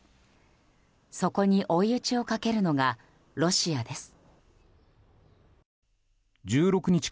それに追い打ちをかけるのがロシアです。